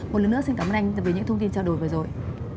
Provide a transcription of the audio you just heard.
một lần nữa xin cảm ơn anh về những thông tin trao đổi vừa rồi